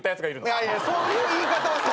いやいやそういう言い方はさ。